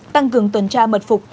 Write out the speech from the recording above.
tăng cường tuần tra mật phục